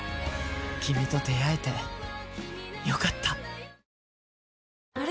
キミと出会えてよかった。